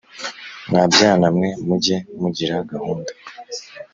Mwa byana mwe mujye mugira gahunda